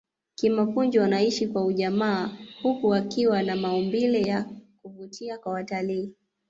kimapunju wanaishi kwa ujamaa huku wakiwa na maumbile ya kuvutia kwa watalii